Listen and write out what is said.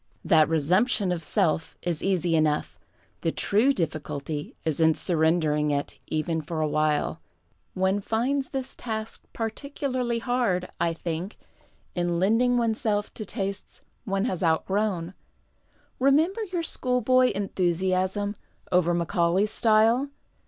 That resumption of self is easy enough. The true difficulty is in surrendering it, even for a while. One linds the task particularly hard, I think, in lending 272 VERSATILITY oneself to tastes one has outgrown. Remember your schoolboy enthusiasm over Macaulay's style.